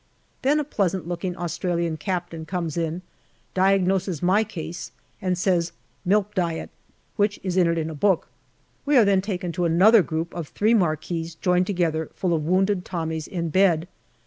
Then a pleasant looking Australian Captain comes in, diagnoses my case, and says " Milk diet," which is entered in a book. We are then taken to another group of three marquees joined together, full of wounded Tommies in bed.